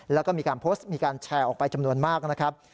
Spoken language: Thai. แล้วก็มีการโพสต์มีการแชร์ออกไปจำนวนมากนะครับ